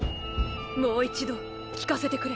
もう一度聞かせてくれ。